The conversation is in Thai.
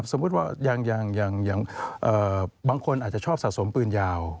สมมุติว่าอย่างบางคนอาจจะชอบสะสมปืนยาว